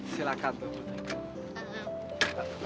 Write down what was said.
silakan tuan putri